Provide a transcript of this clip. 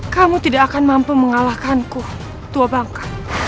kamu tidak akan mampu mengalahkanku tua bangka